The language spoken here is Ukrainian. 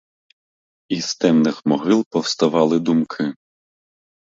І з темних могил повставали думки.